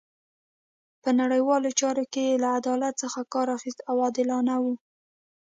په نړیوالو چارو کې یې له عدالت څخه کار اخیست او عادلانه وو.